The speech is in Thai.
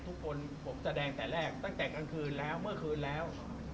ทุกคนผมแสดงแต่แรกตั้งแต่กลางคืนแล้วเมื่อคืนแล้ว